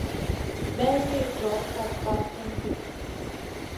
May lï djoda kat basoun ɗi.